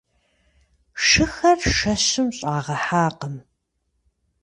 Шыхэр шэщым щӀагъэхьакъым.